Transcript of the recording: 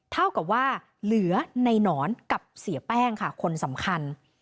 เท่ากับว่าเหลือในหนอนกับเสียแป้งค่ะคนสำคัญ